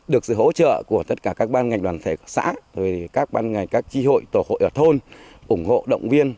được sự hỗ trợ của tất cả các ban ngành đoàn thể xã các chi hội tổ hội ở thôn ủng hộ động viên